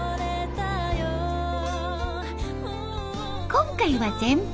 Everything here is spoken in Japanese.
今回は前編。